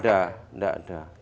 nggak ada nggak ada